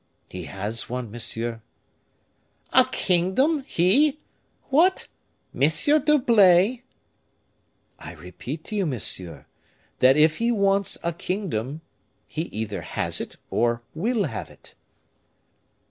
"He has one, monsieur." "A kingdom, he! what, Monsieur d'Herblay?" "I repeat to you, monsieur, that if he wants a kingdom, he either has it or will have it."